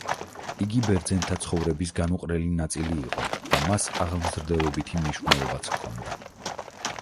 იგი ბერძენთა ცხოვრების განუყრელი ნაწილი იყო და მას აღმზრდელობითი მნიშვნელობაც ჰქონდა.